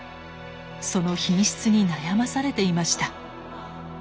その品質に悩まされていました。